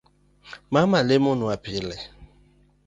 Mama lemo nwaga pile